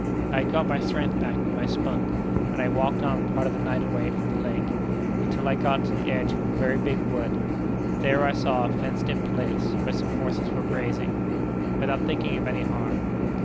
I had got my strength back with my spunk, and I walked on part of the night away from the lake, until I got to the edge of a very big wood. There I saw a fenced in place, where some horses were grazing, without thinking of any harm.